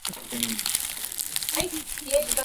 The film stars Paul Bettany and Sophia Lillis.